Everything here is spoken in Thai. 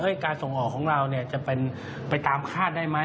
งานส่งออกของเราจะไปตามคาดได้ไหม